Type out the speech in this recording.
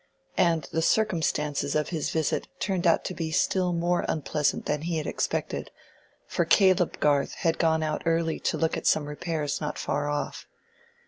And the circumstances of his visit turned out to be still more unpleasant than he had expected; for Caleb Garth had gone out early to look at some repairs not far off.